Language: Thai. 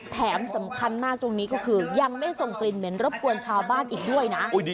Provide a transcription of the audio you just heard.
แถมสำคัญมากตรงนี้ก็คือยังไม่ส่งกลิ่นเหม็นรบกวนชาวบ้านอีกด้วยนะ